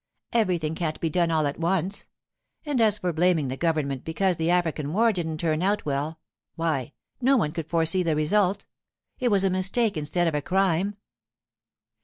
Everything can't be done all at once; and as for blaming the government because the African war didn't turn out well—why, no one could foresee the result. It was a mistake instead of a crime.